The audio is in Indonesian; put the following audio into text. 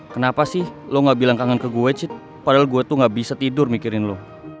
kenapa sih lo gak bilang kangen ke gue sih padahal gue tuh gak bisa tidur mikirin lo